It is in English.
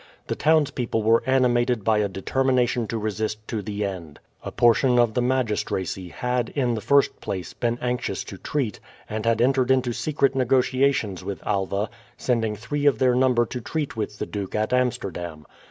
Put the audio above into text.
The townspeople were animated by a determination to resist to the end. A portion of the magistracy had, in the first place, been anxious to treat, and had entered into secret negotiations with Alva, sending three of their number to treat with the duke at Amsterdam.